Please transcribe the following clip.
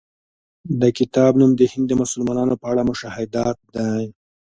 د کتاب نوم د هند د مسلمانانو په اړه مشاهدات دی.